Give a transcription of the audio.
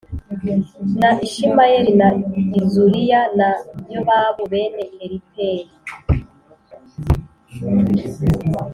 na Ishimerayi na Izuliya na Yobabu bene Elipeli